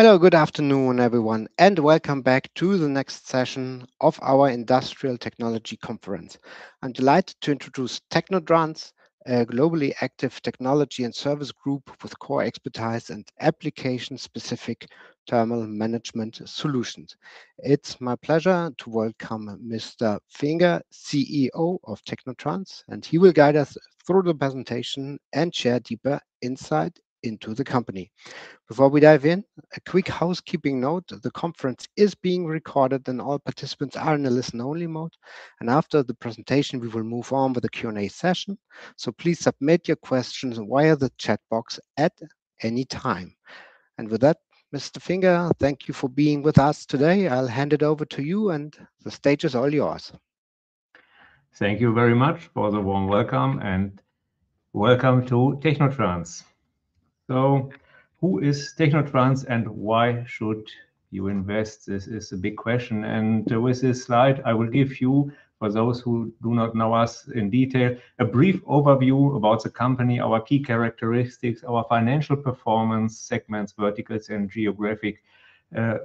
Hello. Good afternoon, everyone, and welcome back to the next session of our Industrial Technology Online Investor Conference. I'm delighted to introduce Technotrans, a globally active technology and service group with core expertise in application-specific thermal management solutions. It's my pleasure to welcome Mr. Finger, CEO of Technotrans, he will guide us through the presentation and share deeper insight into the company. Before we dive in, a quick housekeeping note. The conference is being recorded, all participants are in a listen-only mode. After the presentation, we will move on with the Q&A session. Please submit your questions via the chat box at any time. With that, Mr. Finger, thank you for being with us today. I'll hand it over to you, the stage is all yours. Thank you very much for the warm welcome. Welcome to Technotrans. Who is Technotrans and why should you invest? This is a big question. With this slide, I will give you, for those who do not know us in detail, a brief overview about the company, our key characteristics, our financial performance segments, verticals, and geographic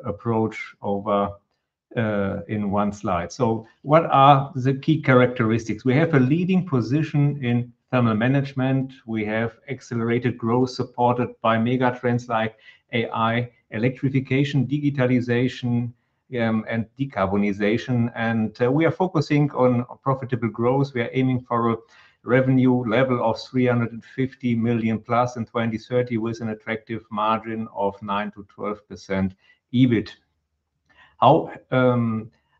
approach in one slide. What are the key characteristics? We have a leading position in thermal management. We have accelerated growth supported by mega trends like AI, electrification, digitalization, and decarbonization. We are focusing on profitable growth. We are aiming for a revenue level of 350 million+ in 2030 with an attractive margin of 9%-12% EBIT. How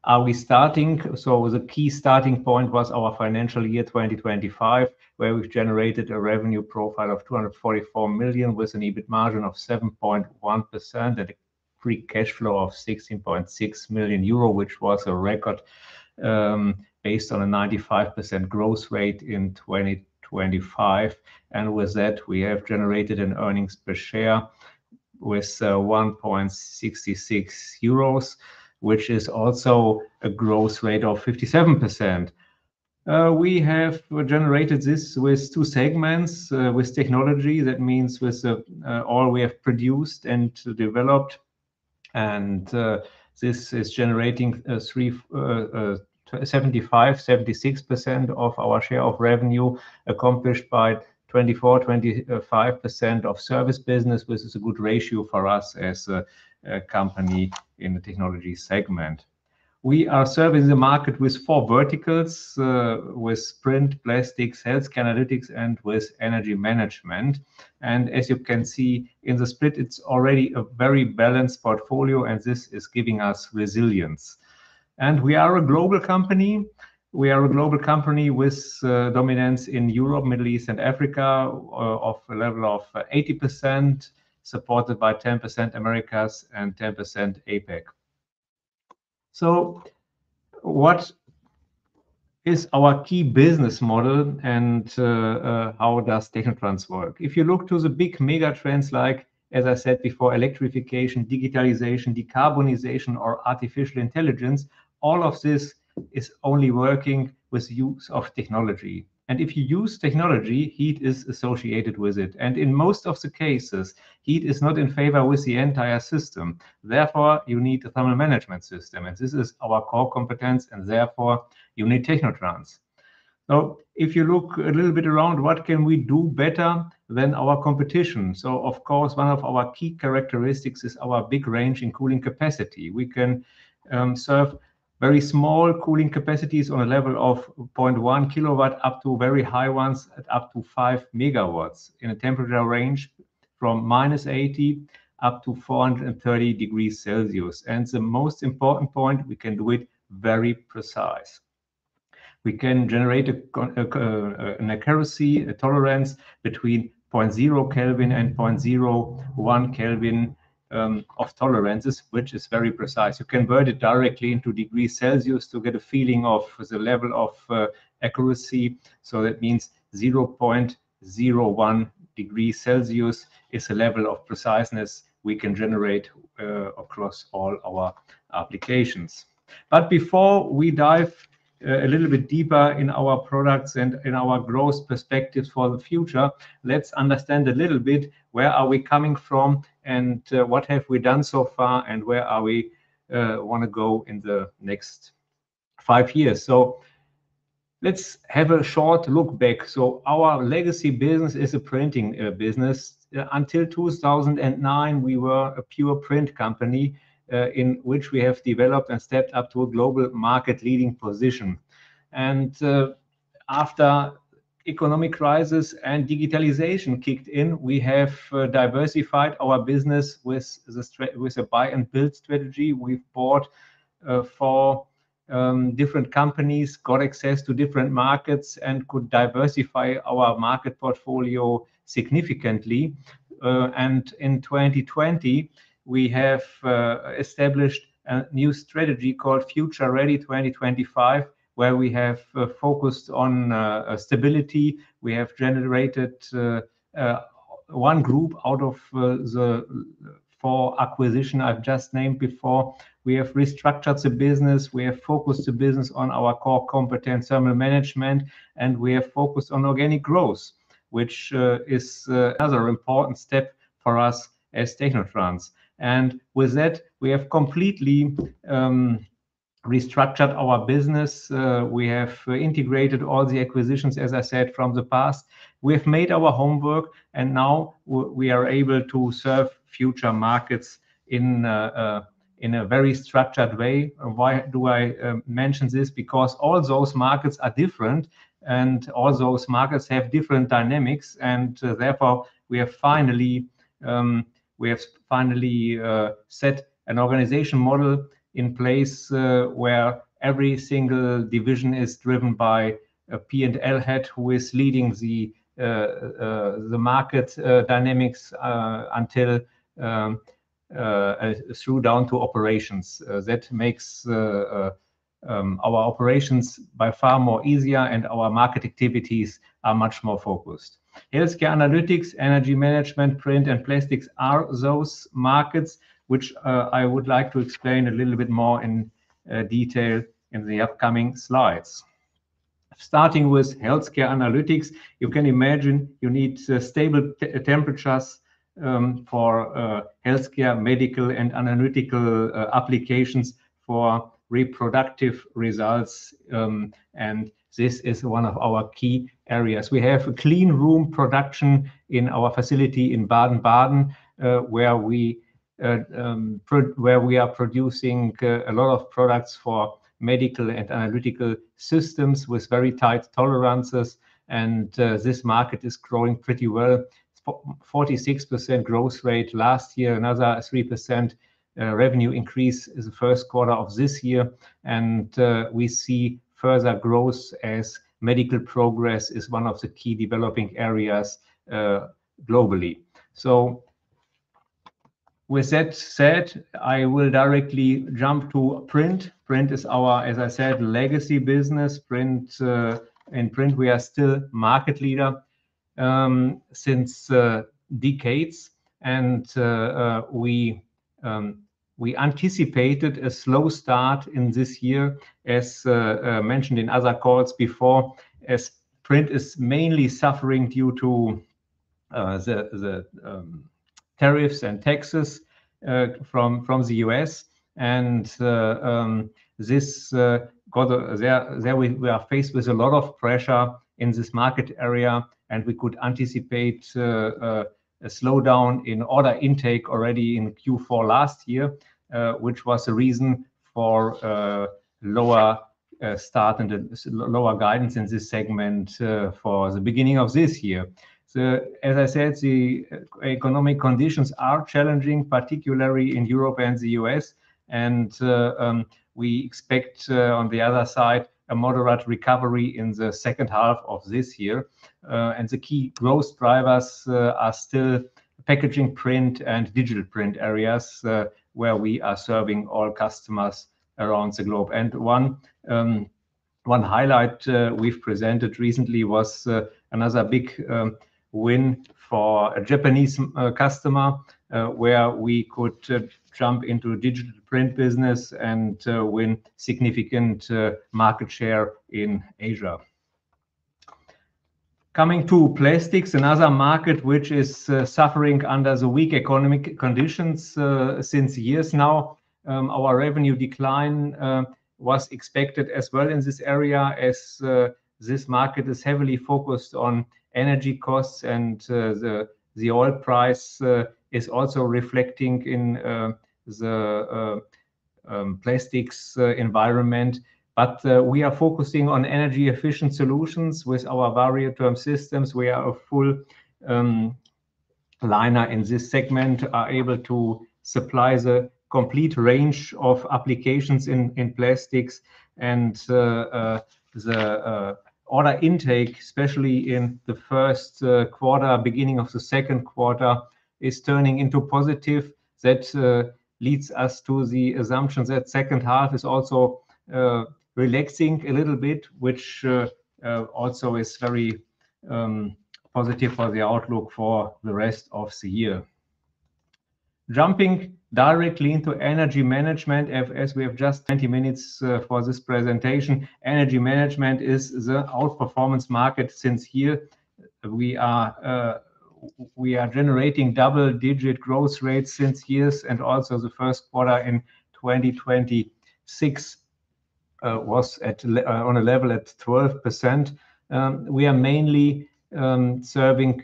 are we starting? The key starting point was our financial year 2025, where we've generated a revenue profile of 244 million, with an EBIT margin of 7.1% and a free cash flow of 16.6 million euro, which was a record based on a 95% growth rate in 2025. With that, we have generated an earnings per share of 1.66 euros, which is also a growth rate of 57%. We have generated this with two segments, with technology, that means with all we have produced and developed. This is generating 75%-76% of our share of revenue, accomplished by 24%-25% of service business, which is a good ratio for us as a company in the technology segment. We are serving the market with four verticals: print, plastics, health, analytics, and energy management. As you can see in the split, it's already a very balanced portfolio, this is giving us resilience. We are a global company. We are a global company with dominance in Europe, Middle East, and Africa of a level of 80%, supported by 10% Americas and 10% APAC. What is our key business model and how does Technotrans work? If you look to the big mega trends like, as I said before, electrification, digitalization, decarbonization, or artificial intelligence, all of this is only working with use of technology. If you use technology, heat is associated with it. In most of the cases, heat is not in favor with the entire system. Therefore, you need a thermal management system. This is our core competence, therefore you need Technotrans. If you look a little bit around, what can we do better than our competition? Of course, one of our key characteristics is our big range in cooling capacity. We can serve very small cooling capacities on a level of 0.1 kW up to very high ones at up to 5 MW in a temperature range from -80 up to 430 degrees Celsius. The most important point, we can do it very precise. We can generate an accuracy, a tolerance between 0.0 Kelvin and 0.01 Kelvin of tolerances, which is very precise. You convert it directly into degrees Celsius to get a feeling of the level of accuracy. That means 0.01 degrees Celsius is the level of preciseness we can generate across all our applications. Before we dive a little bit deeper in our products and in our growth perspectives for the future, let's understand a little bit where are we coming from and what have we done so far, and where are we want to go in the next five years. Let's have a short look back. Our legacy business is a printing business. Until 2009, we were a pure print company, in which we have developed and stepped up to a global market leading position. After economic crisis and digitalization kicked in, we have diversified our business with a buy and build strategy. We've bought four different companies, got access to different markets, and could diversify our market portfolio significantly. In 2020, we have established a new strategy called Future Ready 2025, where we have focused on stability. We have generated one group out of the four acquisition I've just named before. We have restructured the business. We have focused the business on our core competence, thermal management, and we are focused on organic growth, which is another important step for us as Technotrans. With that, we have completely restructured our business. We have integrated all the acquisitions, as I said, from the past. We have made our homework, and now we are able to serve future markets in a very structured way. Why do I mention this? All those markets are different, and all those markets have different dynamics, and therefore, we have finally set an organization model in place where every single division is driven by a P&L head who is leading the market dynamics through down to operations. That makes our operations by far more easier and our market activities are much more focused. Healthcare analytics, energy management, print, and plastics are those markets which I would like to explain a little bit more in detail in the upcoming slides. Starting with healthcare analytics, you can imagine you need stable temperatures for healthcare, medical, and analytical applications for reproductive results. This is one of our key areas. We have a clean room production in our facility in Baden-Baden, where we are producing a lot of products for medical and analytical systems with very tight tolerances. This market is growing pretty well. 46% growth rate last year. Another 3% revenue increase the first quarter of this year. We see further growth as medical progress is one of the key developing areas globally. With that said, I will directly jump to print. Print is our, as I said, legacy business. In print, we are still market leader since decades. We anticipated a slow start in this year, as mentioned in other calls before, as print is mainly suffering due to the tariffs and taxes from the U.S. There we are faced with a lot of pressure in this market area, and we could anticipate a slowdown in order intake already in Q4 last year, which was the reason for a lower start and lower guidance in this segment for the beginning of this year. As I said, the economic conditions are challenging, particularly in Europe and the U.S. We expect, on the other side, a moderate recovery in the second half of this year. The key growth drivers are still packaging print and digital print areas, where we are serving all customers around the globe. One highlight we've presented recently was another big win for a Japanese customer, where we could jump into digital print business and win significant market share in Asia. Coming to plastics, another market which is suffering under the weak economic conditions since years now. Our revenue decline was expected as well in this area, as this market is heavily focused on energy costs and the oil price is also reflecting in the plastics environment. We are focusing on energy-efficient solutions with our variotherm systems. We are a full-liner in this segment, are able to supply the complete range of applications in plastics. The order intake, especially in the first quarter, beginning of the second quarter, is turning into positive. That leads us to the assumption that second half is also relaxing a little bit, which also is very positive for the outlook for the rest of the year. Jumping directly into energy management, as we have just 20 minutes for this presentation. Energy management is the outperformance market since years. We are generating double-digit growth rates since years, and also the first quarter in 2026 was on a level at 12%. We are mainly serving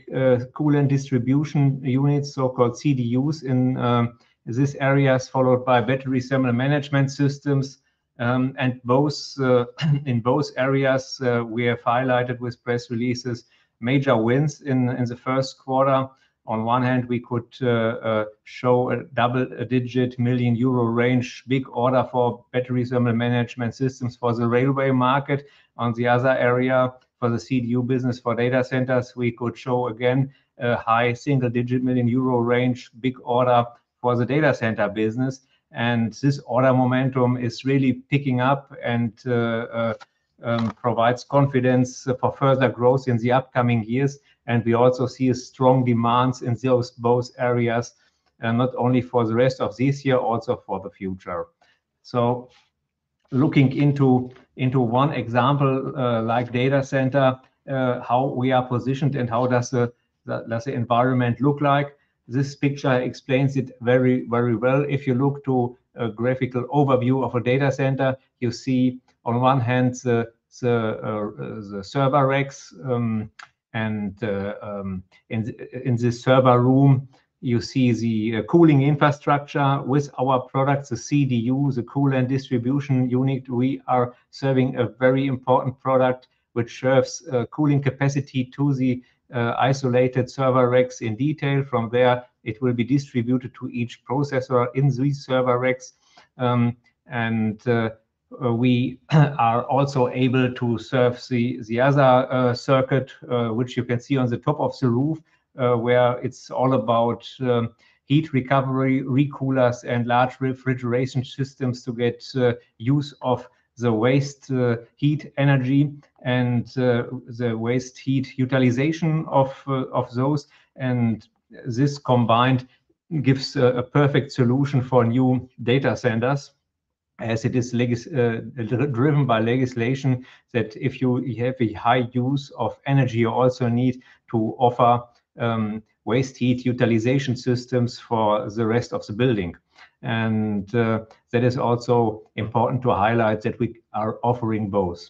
coolant distribution units, so-called CDUs, in these areas, followed by battery thermal management systems. In both areas, we have highlighted with press releases major wins in the first quarter. On one hand, we could show a double-digit million EUR range, big order for battery thermal management systems for the railway market. On the other area, for the CDU business for data centers, we could show again a high single-digit million EUR range, big order for the data center business. This order momentum is really picking up and provides confidence for further growth in the upcoming years. We also see a strong demand in those both areas, not only for the rest of this year, also for the future. Looking into one example, like data center, how we are positioned and how does the environment look like? This picture explains it very well. If you look to a graphical overview of a data center, you see on one hand the server racks. In this server room, you see the cooling infrastructure with our products, the CDU, the coolant distribution unit. We are serving a very important product which serves cooling capacity to the isolated server racks in detail. From there, it will be distributed to each processor in the server racks. We are also able to serve the other circuit, which you can see on the top of the roof, where it's all about heat recovery, recoolers, and large refrigeration systems to get use of the waste heat energy and the waste heat utilization of those. This combined gives a perfect solution for new data centers, as it is driven by legislation, that if you have a high use of energy, you also need to offer waste heat utilization systems for the rest of the building. That is also important to highlight that we are offering both.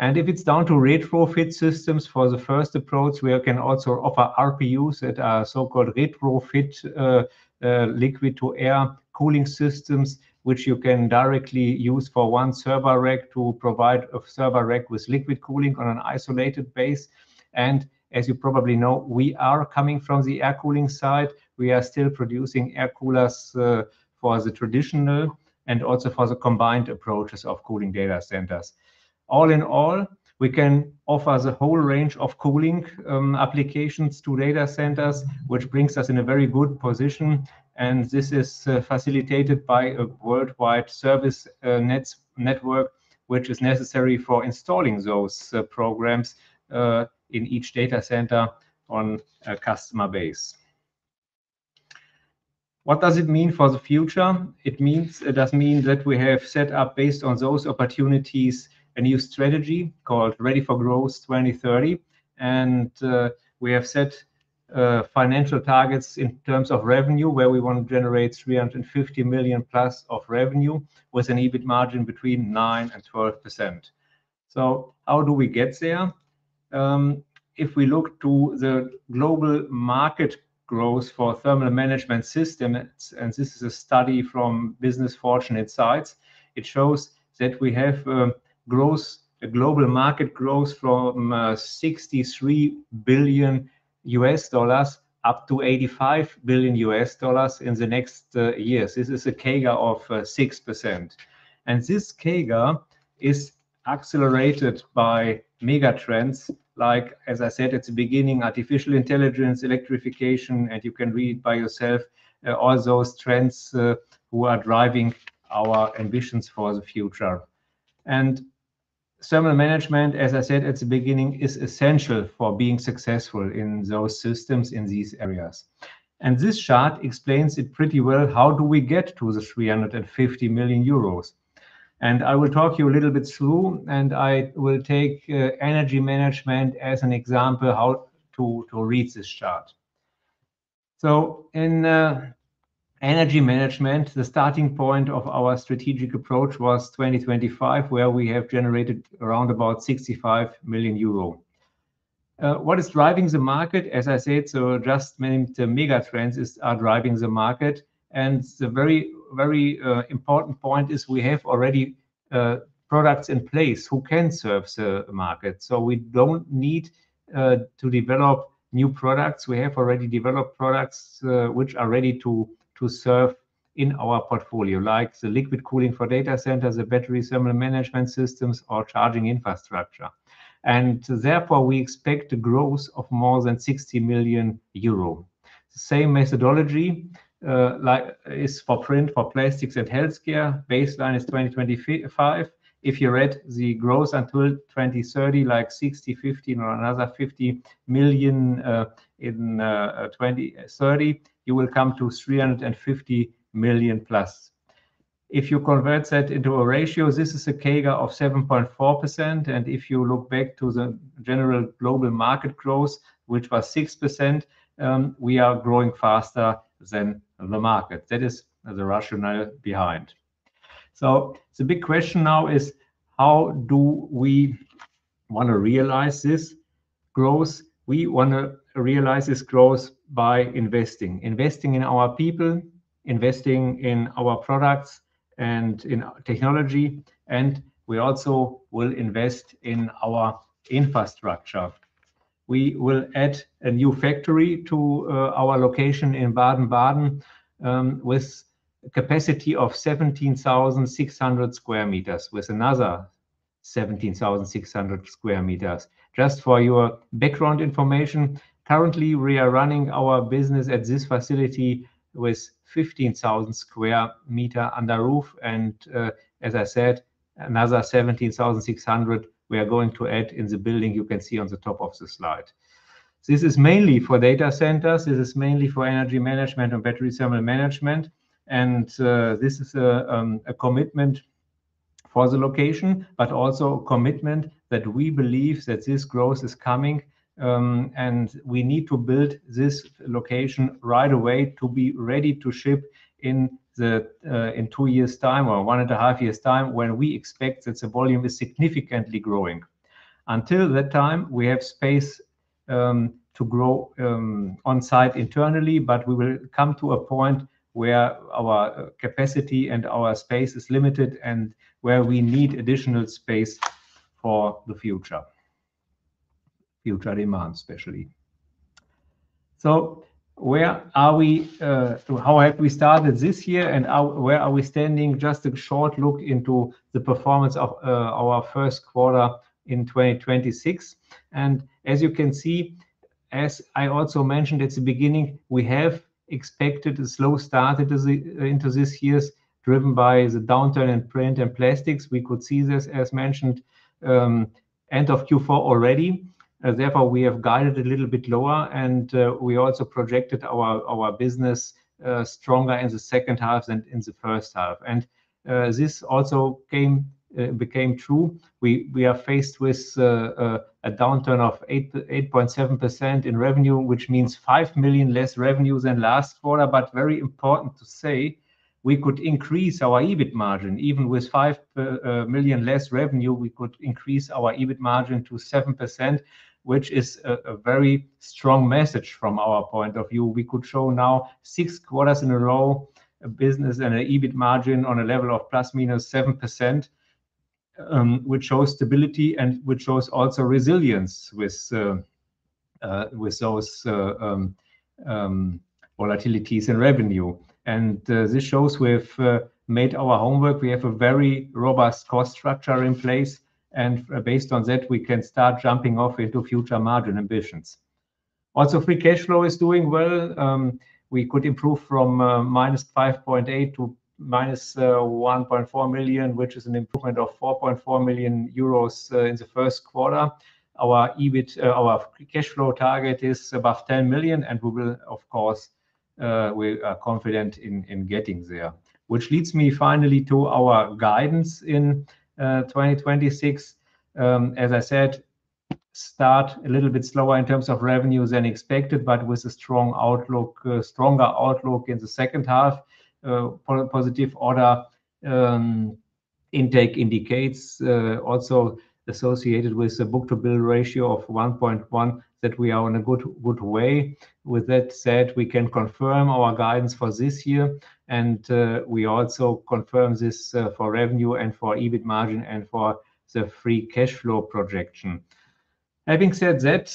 If it's down to retrofit systems for the first approach, we can also offer RPUs that are so-called retrofit liquid-to-air cooling systems, which you can directly use for one server rack to provide a server rack with liquid cooling on an isolated base. As you probably know, we are coming from the air cooling side. We are still producing air coolers for the traditional and also for the combined approaches of cooling data centers. All in all, we can offer the whole range of cooling applications to data centers, which brings us in a very good position. This is facilitated by a worldwide service network, which is necessary for installing those programs in each data center on a customer base. What does it mean for the future? It does mean that we have set up, based on those opportunities, a new strategy called Ready for Growth 2030. We have set financial targets in terms of revenue, where we want to generate 350 million+ of revenue with an EBIT margin between 9%-12%. How do we get there? If we look to the global market growth for thermal management system, and this is a study from Business Fortune Insights, it shows that we have a global market growth from $63 billion up to $85 billion in the next years. This is a CAGR of 6%. This CAGR is accelerated by mega trends like, as I said at the beginning, artificial intelligence, electrification, and you can read by yourself all those trends who are driving our ambitions for the future. Thermal management, as I said at the beginning, is essential for being successful in those systems in these areas. This chart explains it pretty well, how do we get to the 350 million euros? I will talk you a little bit through, I will take energy management as an example how to read this chart. In energy management, the starting point of our strategic approach was 2025, where we have generated around about 65 million euro. What is driving the market? As I said, many mega trends are driving the market. The very important point is we have already products in place who can serve the market. We don't need to develop new products. We have already developed products, which are ready to serve in our portfolio, like the liquid cooling for data centers, the battery thermal management systems, or charging infrastructure. Therefore, we expect a growth of more than 60 million euro. The same methodology is for print, for plastics, and healthcare. Baseline is 2025. If you read the growth until 2030, like 60 million, 15 million, or another 50 million in 2030, you will come to 350 million+. If you convert that into a ratio, this is a CAGR of 7.4%. If you look back to the general global market growth, which was 6%, we are growing faster than the market. That is the rationale behind. The big question now is how do we want to realize this growth? We want to realize this growth by investing in our people, investing in our products and in our technology. We also will invest in our infrastructure. We will add a new factory to our location in Baden-Baden with capacity of 17,600 sq m, with another 17,600 sq m. Just for your background information, currently, we are running our business at this facility with 15,000 sq m under roof. As I said, another 17,600 sq m we are going to add in the building you can see on the top of the slide. This is mainly for data centers. This is mainly for energy management and battery thermal management. This is a commitment for the location, but also commitment that we believe that this growth is coming, and we need to build this location right away to be ready to ship in two years' time or one and a half years' time, when we expect that the volume is significantly growing. Until that time, we have space to grow on-site internally, but we will come to a point where our capacity and our space is limited, and where we need additional space for the future. Future demands, especially. How have we started this year and where are we standing? Just a short look into the performance of our first quarter in 2026. As you can see, as I also mentioned at the beginning, we have expected a slow start into this year, driven by the downturn in print and plastics. We could see this, as mentioned, end of Q4 already. Therefore, we have guided a little bit lower and we also projected our business stronger in the second half than in the first half. This also became true. We are faced with a downturn of 8.7% in revenue, which means 5 million less revenue than last quarter, but very important to say, we could increase our EBIT margin. Even with 5 million less revenue, we could increase our EBIT margin to 7%, which is a very strong message from our point of view. We could show now six quarters in a row of business and an EBIT margin on a level of ±7%, which shows stability and which shows also resilience with those volatilities in revenue. This shows we have made our homework. We have a very robust cost structure in place, and based on that, we can start jumping off into future margin ambitions. Free cash flow is doing well. We could improve from -5.8 million to -1.4 million, which is an improvement of 4.4 million euros in the first quarter. Our free cash flow target is above 10 million, and we will of course, we are confident in getting there. Which leads me finally to our guidance in 2026. As I said, we started a little bit slower in terms of revenue than expected, but with a stronger outlook in the second half. Positive order intake indicates, also associated with the book-to-bill ratio of 1.1, that we are in a good way. With that said, we can confirm our guidance for this year, we also confirm this for revenue and for EBIT margin and for the free cash flow projection. Having said that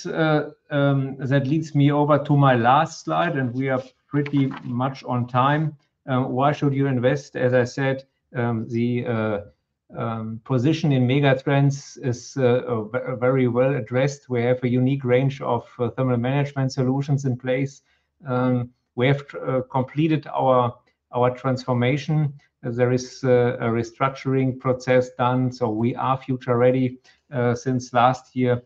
leads me over to my last slide, and we are pretty much on time. Why should you invest? As I said, the position in megatrends is very well addressed. We have a unique range of thermal management solutions in place. We have completed our transformation. There is a restructuring process done, so we are future ready. Since last year,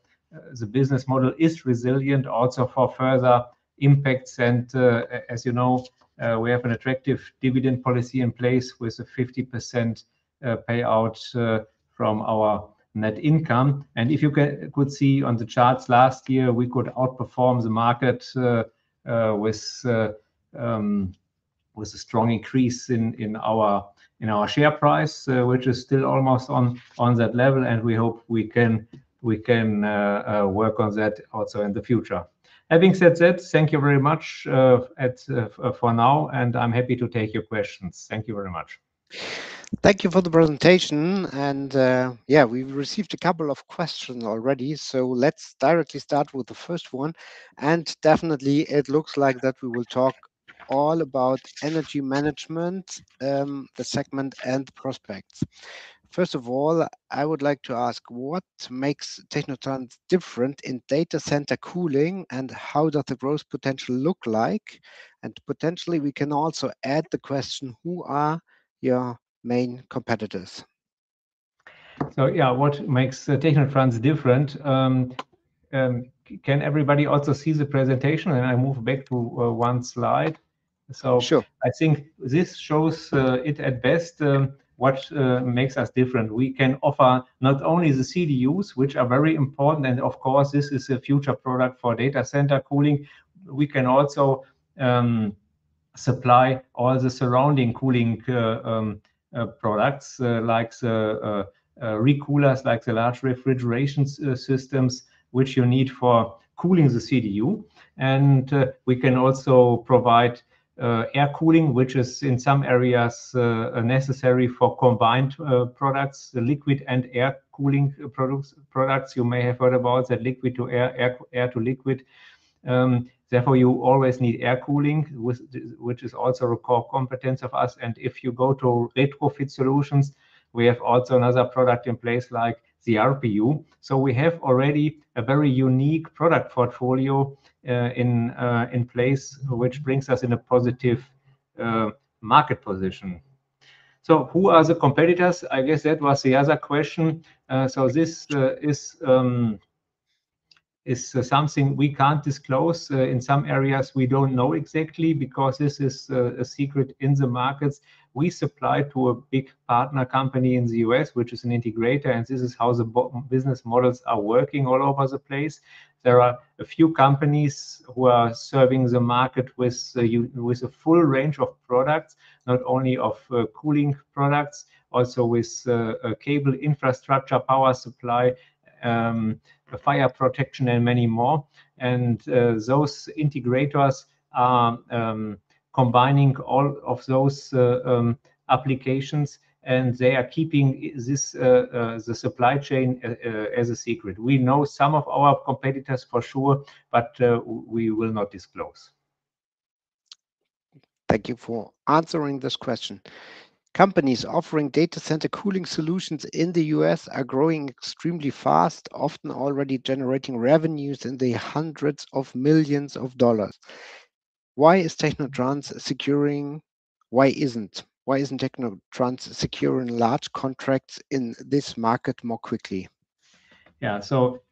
the business model is resilient also for further impacts. As you know, we have an attractive dividend policy in place with a 50% payout from our net income. If you could see on the charts last year, we could outperform the market, with a strong increase in our share price, which is still almost on that level, and we hope we can work on that also in the future. Having said that, thank you very much for now, and I am happy to take your questions. Thank you very much. Thank you for the presentation. Yeah, we have received a couple of questions already, so let's directly start with the first one. Definitely it looks like that we will talk all about energy management, the segment and prospects. First of all, I would like to ask, what makes Technotrans different in data center cooling, and how does the growth potential look like? Potentially we can also add the question, who are your main competitors? Yeah, what makes Technotrans different? Can everybody also see the presentation? I move back to one slide. Sure. I think this shows it at best what makes us different. We can offer not only the CDUs, which are very important and of course this is a future product for data center cooling. We can also supply all the surrounding cooling products like recoolers, like the large refrigeration systems, which you need for cooling the CDU. We can also provide air cooling, which is in some areas necessary for combined products, the liquid and air cooling products. You may have heard about that liquid to air to liquid. Therefore, you always need air cooling, which is also a core competence of ours. If you go to retrofit solutions, we have also another product in place like the RPU. We have already a very unique product portfolio in place, which brings us in a positive market position. Who are the competitors? I guess that was the other question. This is something we can't disclose. In some areas, we don't know exactly because this is a secret in the markets. We supply to a big partner company in the U.S., which is an integrator, and this is how the business models are working all over the place. There are a few companies who are serving the market with a full range of products, not only of cooling products, also with cable infrastructure, power supply, fire protection and many more. Those integrators are combining all of those applications, and they are keeping the supply chain as a secret. We know some of our competitors for sure, but we will not disclose. Thank you for answering this question. Companies offering data center cooling solutions in the U.S. are growing extremely fast, often already generating revenues in the $ hundreds of millions. Why isn't Technotrans securing large contracts in this market more quickly? Yeah.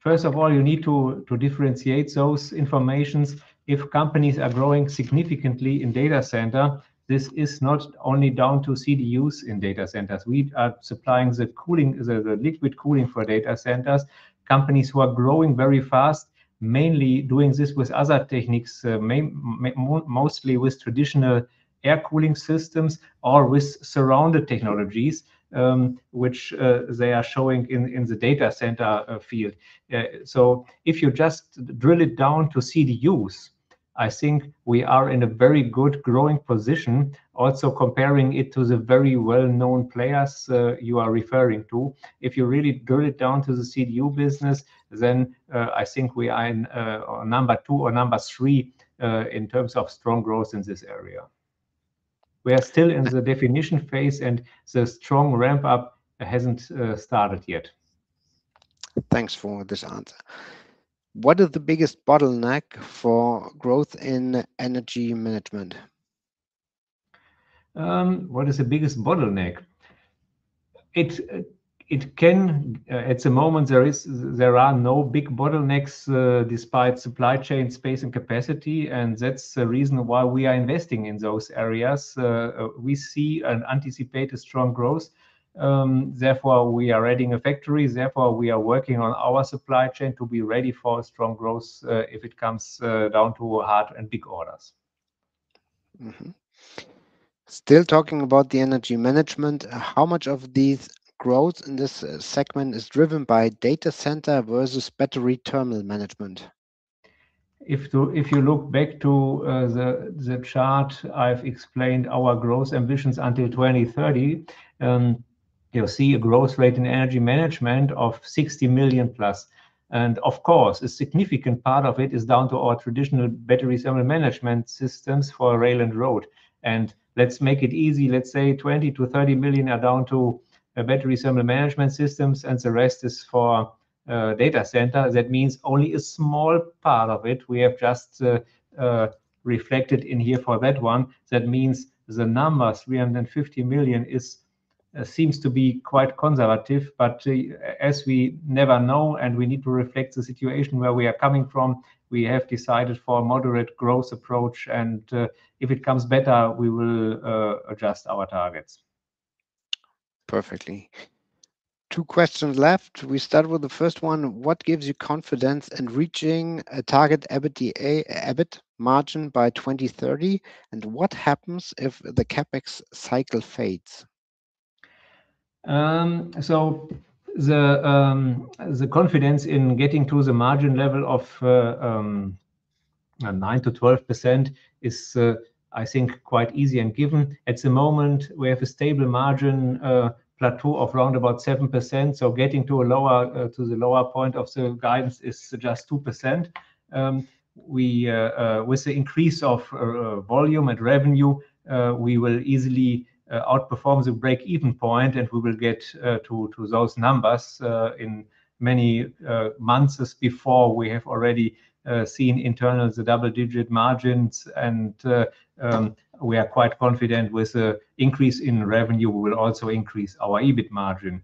First of all, you need to differentiate those information. If companies are growing significantly in data center, this is not only down to CDUs in data centers. We are supplying the liquid cooling for data centers. Companies who are growing very fast, mainly doing this with other techniques, mostly with traditional air cooling systems or with surrounded technologies, which they are showing in the data center field. If you just drill it down to CDUs, I think we are in a very good growing position. Also, comparing it to the very well-known players you are referring to. If you really drill it down to the CDU business, then I think we are in number two or number three in terms of strong growth in this area. We are still in the definition phase, and the strong ramp-up hasn't started yet. Thanks for this answer. What is the biggest bottleneck for growth in energy management? What is the biggest bottleneck? At the moment, there are no big bottlenecks, despite supply chain space and capacity. That's the reason why we are investing in those areas. We see and anticipate a strong growth. Therefore, we are adding a factory. Therefore, we are working on our supply chain to be ready for strong growth, if it comes down to hard and big orders. Mm-hmm. Still talking about the energy management, how much of this growth in this segment is driven by data center versus battery thermal management? If you look back to the chart, I've explained our growth ambitions until 2030. You'll see a growth rate in energy management of 60 million+. Of course, a significant part of it is down to our traditional battery thermal management systems for rail and road. Let's make it easy. Let's say 20 million-30 million are down to battery thermal management systems, and the rest is for data center. That means only a small part of it, we have just reflected in here for that one. That means the number 350 million seems to be quite conservative, as we never know we need to reflect the situation where we are coming from, we have decided for a moderate growth approach, and if it comes better, we will adjust our targets. Perfectly. Two questions left. We start with the first one. What gives you confidence in reaching a target EBIT margin by 2030, and what happens if the CapEx cycle fades? The confidence in getting to the margin level of 9%-12% is, I think, quite easy and given. At the moment, we have a stable margin plateau of around about 7%, getting to the lower point of the guidance is just 2%. With the increase of volume and revenue, we will easily outperform the break-even point, and we will get to those numbers in many months. As before, we have already seen internal the double-digit margins, and we are quite confident with the increase in revenue, we will also increase our EBIT margin.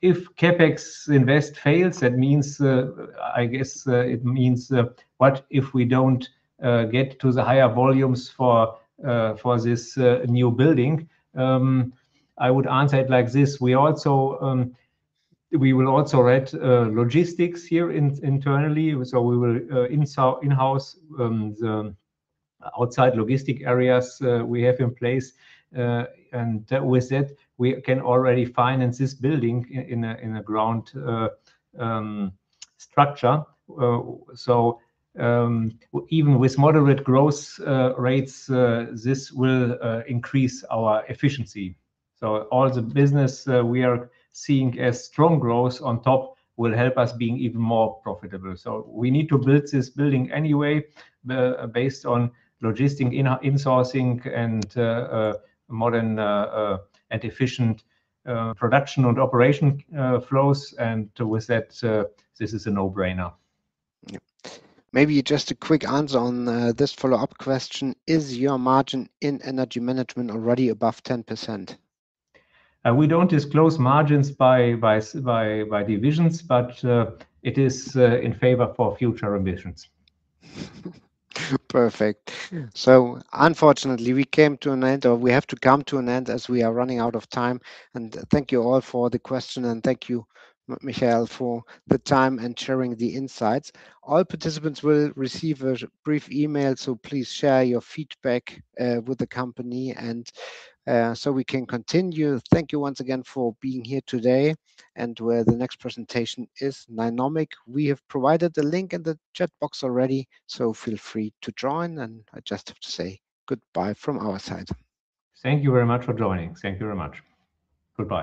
If CapEx invest fails, I guess it means what if we don't get to the higher volumes for this new building? I would answer it like this. We will also rent logistics here internally. We will in-house the outside logistic areas we have in place. With it, we can already finance this building in a ground structure. Even with moderate growth rates, this will increase our efficiency. All the business we are seeing a strong growth on top will help us being even more profitable. We need to build this building anyway, based on logistic in-sourcing and modern and efficient production and operation flows, and with that, this is a no-brainer. Yeah. Maybe just a quick answer on this follow-up question. Is your margin in energy management already above 10%? We don't disclose margins by divisions, it is in favor for future ambitions. Perfect. Unfortunately, we have to come to an end, as we are running out of time. Thank you all for the question, thank you, Michael, for the time and sharing the insights. All participants will receive a brief email, please share your feedback with the company so we can continue. Thank you once again for being here today. The next presentation is Nynomic. We have provided the link in the chat box already, feel free to join, I just have to say goodbye from our side. Thank you very much for joining. Thank you very much. Goodbye.